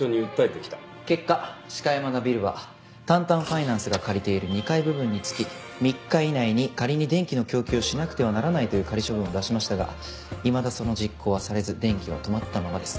結果鹿山田ビルはタンタンファイナンスが借りている２階部分につき３日以内に仮に電気の供給をしなくてはならないという仮処分を出しましたがいまだその実行はされず電気は止まったままです。